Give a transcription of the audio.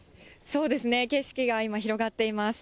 そうですね、景色が今、広がっています。